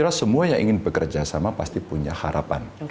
saya kira semua yang ingin bekerja sama pasti punya harapan